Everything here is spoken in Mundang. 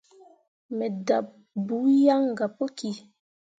Me dahɓɓe buu yan gah puki.